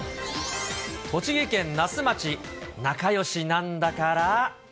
栃木県那須町、仲よしなんだから。